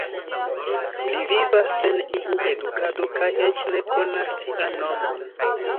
Li vivas sen iu edukado kaj eĉ ne konas sian nomon.